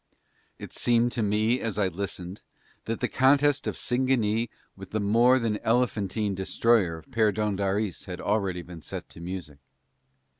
It seemed to me as I listened that the contest of Singanee with the more than elephantine destroyer of Perdóndaris had already been set to music.